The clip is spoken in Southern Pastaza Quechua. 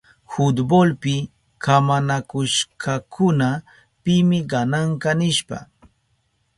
Fultbolpi kamanakushkakuna pimi gananka nishpa.